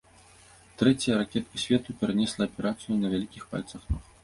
Трэцяя ракетка свету перанесла аперацыю на вялікіх пальцах ног.